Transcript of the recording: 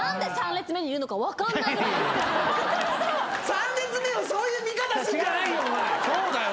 ３列目をそういう見方するんじゃないよ。